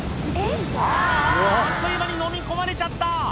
あっという間に、飲み込まれちゃった。